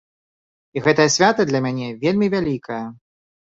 І гэтае свята для мяне вельмі вялікае.